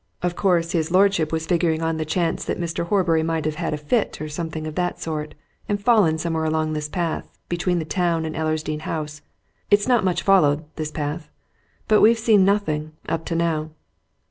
Of course, his lordship was figuring on the chance that Mr. Horbury might have had a fit, or something of that sort, and fallen somewhere along this path, between the town and Ellersdeane House it's not much followed, this path. But we've seen nothing up to now."